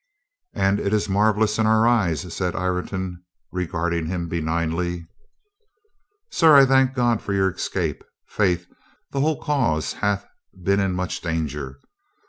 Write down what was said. "And it is marvelous in our eyes," said Ireton, regarding him benignly, "Sir, I thank God for your escape. Faith, the whole cause hath been in much danger.